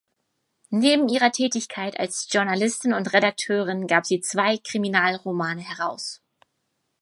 Neben ihrer Tätigkeit als Journalistin und Redakteurin gab sie zwei Kriminalromane heraus.